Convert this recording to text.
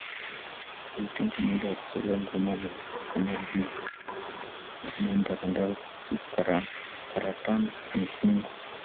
Walitenga muda wa kucheza ngoma maarufu kama njuga ngoma dandaro kikaratana mvungu